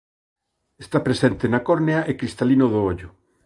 Está presente na córnea e cristalino do ollo.